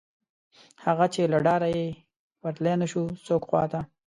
هغه، چې له ډاره یې ورتلی نشو څوک خواته